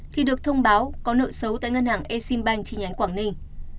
khi được thông báo có nợ xấu tại ngân hàng exim bank trên nhánh quảng ninh